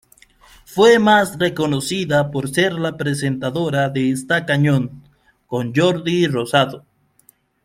Fue más reconocida por ser la presentadora de "Está cañón", con Jordi Rosado.